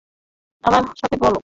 আমার সাথে বলো।